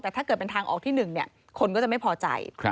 แต่ถ้าเกิดเป็นทางออกที่๑คนก็จะไม่พอใจ